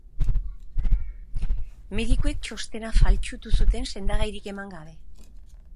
Medikuek txostena faltsutu zuten, sendagairik eman gabe.